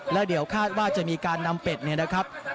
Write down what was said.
แล้วเดี๋ยวคาดว่าจะมีการนำเป็ดเนี่ยนะครับ